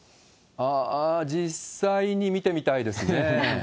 ああ、実際に見てみたいですね。